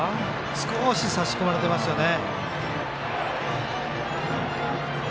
少し差し込まれてますよね。